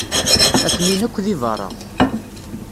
Atenin akk di beṛṛa.